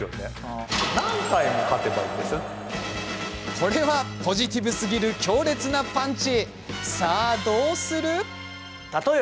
これはポジティブすぎる強烈なパンチ。